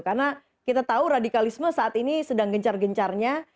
karena kita tahu radikalisme saat ini sedang gencar gencarnya